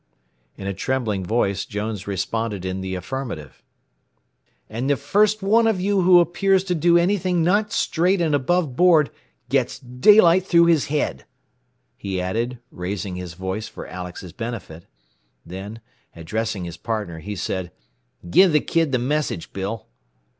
In a trembling voice Jones responded in the affirmative. "And the first one of you who appears to do anything not straight and aboveboard gets daylight through his head," he added, raising his voice for Alex's benefit. Then, addressing his partner, he said: "Give the kid the message, Bill."